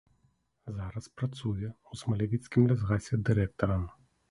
Зараз працуе ў смалявіцкім лясгасе дырэктарам.